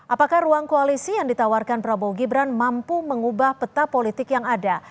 apakah ruang koalisi yang ditawarkan prabowo gibran mampu mengubah peta politik yang ada